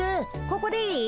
ここでいい？